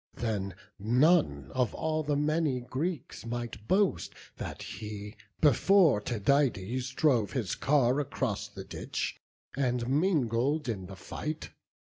Then none of all the many Greeks might boast That he, before Tydides, drove his car Across the ditch, and mingled in the fight.